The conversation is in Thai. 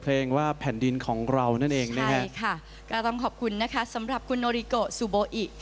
สวัสดีครับสวัสดีครับ